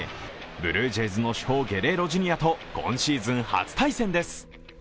ブルージェイズの主砲、ゲレーロ・ジュニアと今シーズン初対戦です。